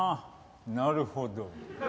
なるほど。